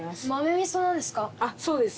そうです。